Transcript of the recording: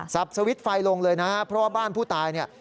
สวิตช์ไฟลงเลยนะครับเพราะว่าบ้านผู้ตายเนี่ย